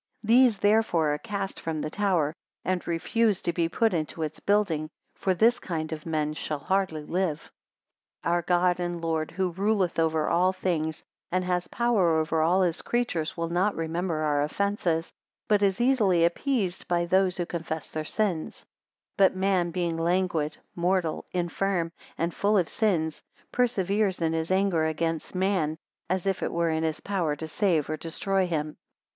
These therefore are cast from the tower, and refused to be put into its building; for this kind of men shall hardly live. 208 Our God and Lord, who ruleth over all things, and has power over all his creatures, will not remember our offences, but is easily appeased by those who confess their sins: but man being languid, mortal, infirm, and full of sins, perseveres in his anger against man; as if it were in his power to save or destroy him.